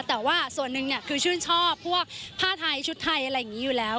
แต่ว่าส่วนหนึ่งคือชื่นชอบผ้าไทยชุดไทยอยู่แล้ว